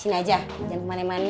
sini aja jangan kemana mana